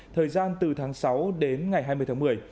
thời gian từ tháng sáu đến ngày hai mươi tháng một mươi